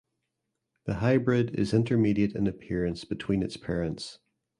The hybrid is intermediate in appearance between its parents.